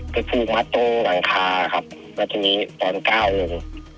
ไปพูกมาโต๊กหลังคาครับนะทีนี้ตอนก้าวลง